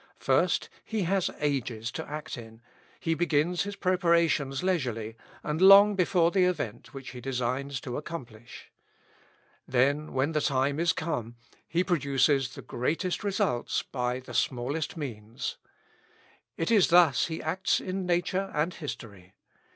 First, as He has ages to act in, he begins his preparations leisurely, and long before the event which He designs to accomplish. Then, when the time is come, he produces the greatest results by the smallest means. It is thus he acts in nature and in history.